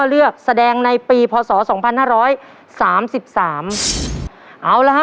เอาล่ะฮะ